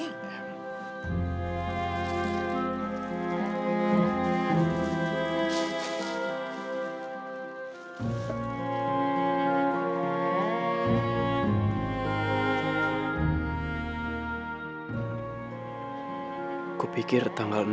aku pikir tanggal enam